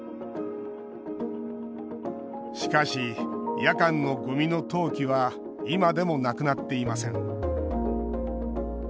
しかし、夜間のゴミの投棄は今でもなくなっていません